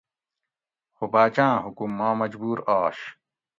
خو باچاۤں حکم ما مجبور آش